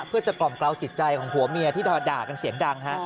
เพื่อจะกล่อมเกลาจิตใจของผัวเมียที่ด่ากันเสียงดังฮะ